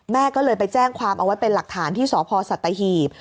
แม่ก็เลยไปแจ้งความเอาไว้เป็นหลักฐานที่สพสัตหีบ